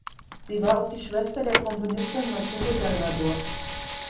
Sie war auch die Schwester der Komponistin Matilde Salvador.